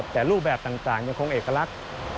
แต่รูปแบบต่างยังคงเอกลักษณ์